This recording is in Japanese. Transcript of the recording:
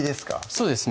そうですね